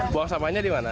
buang sampahnya di mana